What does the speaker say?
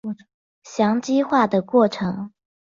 羟基化的过程。